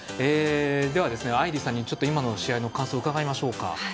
では、愛莉さんに今の試合の感想を伺いましょうか。